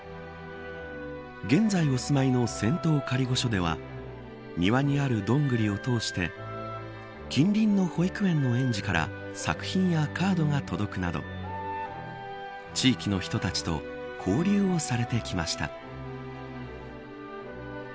現在お住まいの仙洞仮御所では庭にあるどんぐりを通して近隣の保育園の園児から作品やカードが届くなど地域の人たちと交流をされてきました。